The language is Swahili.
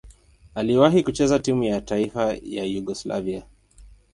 Aliwahi kucheza timu ya taifa ya Yugoslavia.